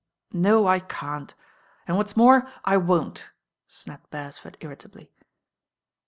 No, I can't, and what's more. I won't," snapped Beresford irritably.